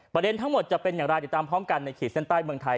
ทั้งหมดจะเป็นอย่างไรติดตามพร้อมกันในขีดเส้นใต้เมืองไทย